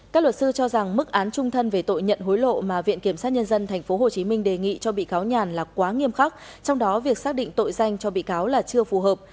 các luật sư cho rằng mức án trung thân về tội nhận hối lộ mà viện kiểm sát nhân dân tp hcm đề nghị cho bị cáo nhàn là quá nghiêm khắc trong đó việc xác định tội danh cho bị cáo là chưa phù hợp